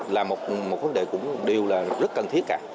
là một vấn đề cũng đều là rất cần thiết cả